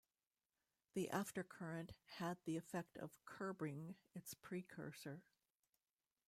The "aftercurrent" had the effect of "curbing" its precursor.